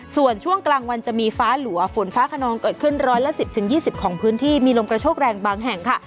ส่วนช่วงกลางวันจะมีฟ้าหลัวฝนฟ้าขนองเกิดขึ้นร้อยละ๑๐๒๐ของพื้นที่มีลมกระโชคแรงบางแห่งค่ะ